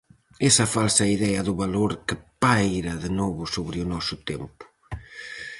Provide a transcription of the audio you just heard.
Esa falsa idea do valor que paira de novo sobre o noso tempo.